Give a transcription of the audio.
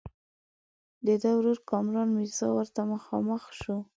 د ده ورور کامران میرزا ورته مخامخ شو.